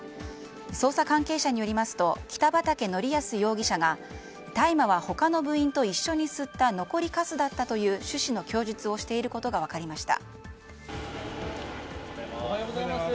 捜査関係者によりますと北畠成文容疑者が大麻は他の部員と一緒に吸った残りかすだったという趣旨の供述をしていることが分かりました。